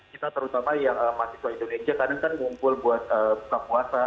kita terutama yang mahasiswa indonesia kadang kan ngumpul buat buka puasa